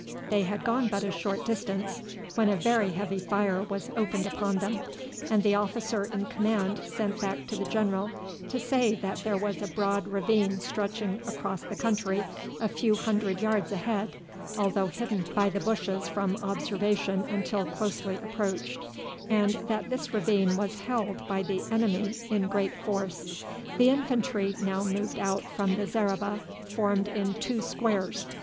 They had gone but a short distance when a very heavy fire was opened upon them, and the officer in command sent back to the general to say that there was a broad ravine stretching across the country a few hundred yards ahead, although hidden by the bushes from observation until closely approached, and that this ravine was held by the enemy in great force. The infantry now moved out from the zareba, formed in two squares.